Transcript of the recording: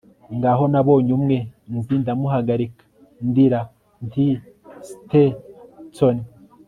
Ngaho nabonye umwe nzi ndamuhagarika ndira nti Stetson